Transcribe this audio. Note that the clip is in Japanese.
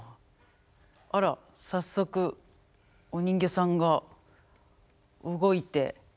あら早速お人形さんが動いて。